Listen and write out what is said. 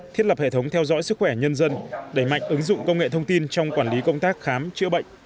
thiết lập hệ thống theo dõi sức khỏe nhân dân đẩy mạnh ứng dụng công nghệ thông tin trong quản lý công tác khám chữa bệnh